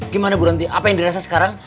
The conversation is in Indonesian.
gimana bu ranti apa yang dirasa sekarang